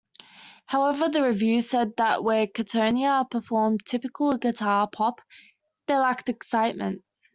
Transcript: However, the review said that where Catatonia performed "typical guitar pop" they lacked excitement.